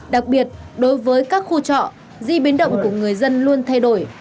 đặc biệt đối với các khu trọ di biến động của người dân luôn thay đổi